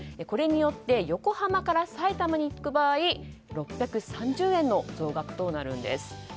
これによって横浜からさいたまに行く場合６３０円の増額となるんです。